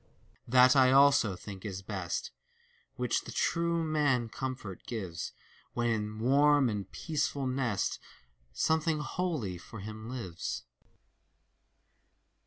That I also think is best, Which the true man comfort gives, When in warm and peaceful nest Something holy for him lives.